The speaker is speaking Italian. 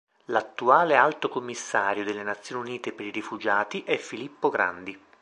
L'attuale alto commissario delle Nazioni Unite per i rifugiati è Filippo Grandi.